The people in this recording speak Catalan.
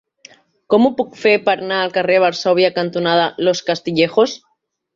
Com ho puc fer per anar al carrer Varsòvia cantonada Los Castillejos?